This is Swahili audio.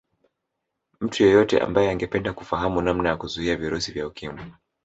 Mtu yeyote ambaye angependa kufahamu namna ya kuzuia virusi vya Ukimwi